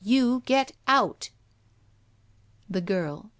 You get out!" '^Thegirl.